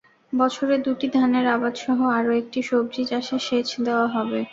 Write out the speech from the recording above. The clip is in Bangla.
বছরে দুটি ধানের আবাদসহ আরও একটি সবজি চাষে সেচ দেওয়া যাবে।